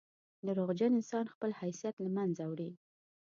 • دروغجن انسان خپل حیثیت له منځه وړي.